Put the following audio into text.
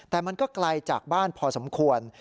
แต่มันก็ไกลจากบ้านพอสมควร